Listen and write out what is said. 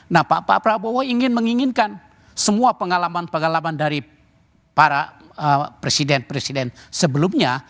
nah pak prabowo ingin menginginkan semua pengalaman pengalaman dari para presiden presiden sebelumnya